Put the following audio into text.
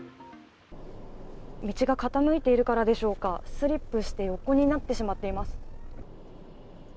道が傾いているからでしょうか、スリップして、横になってしまっています。